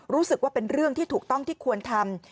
รู้สึกว่าเป็นเรื่องที่ถูกต้องที่ควรทำ